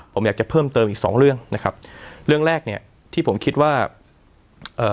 ผมอยากจะเพิ่มเติมอีกสองเรื่องนะครับเรื่องแรกเนี้ยที่ผมคิดว่าเอ่อ